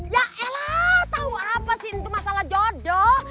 ya elah tau apa sih itu masalah jodoh